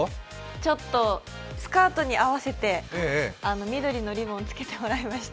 ちょっとスカートに合わせて緑のリボンつけてもらいました。